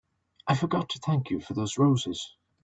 I forgot to thank you for those roses.